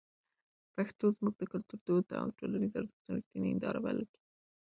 پښتو زموږ د کلتور، دودونو او ټولنیزو ارزښتونو رښتینې هنداره بلل کېږي.